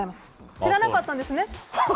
知らなかったんですね？